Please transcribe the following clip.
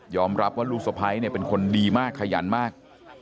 รับว่าลูกสะพ้ายเป็นคนดีมากขยันมาก